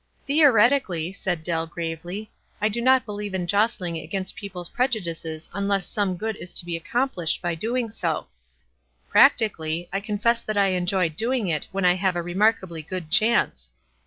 "Theoretically," said Dell gravely, "I do not believe in jostling against people's prejudices unless some good is to be accomplished by doing so ; practically, I confess that I enjoy doing it when I have a remarkably good chance.